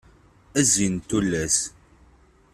A zzin n tullas.